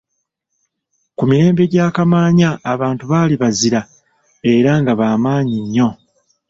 Ku mirembe gya Kamaanya abantu baali bazira era nga ba maanyi nnyo.